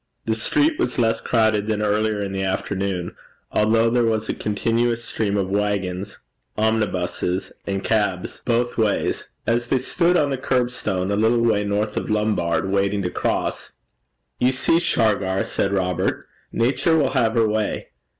The street was less crowded than earlier in the afternoon, although there was a continuous stream of waggons, omnibuses, and cabs both ways. As they stood on the curbstone, a little way north of Lombard Street, waiting to cross 'You see, Shargar,' said Robert, 'Nature will have her way.